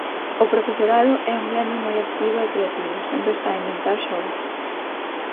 O profesorado é un gremio moi activo e creativo, sempre está a inventar xogos.